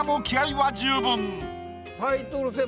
はい。